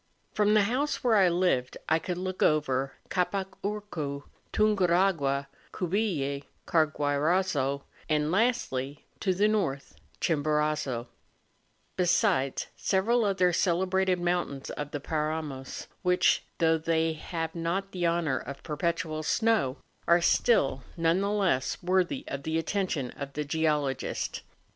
From the house where I lived I could look over Capac Urcu, Tunguragna, Cubille, Carguairazo, and lastly, to the north, Chimborazo; besides several other celebrated mountains of the Paramos, which, though they have not the honour of perpetual snow, are still none the less worthy of the attention of the geologist.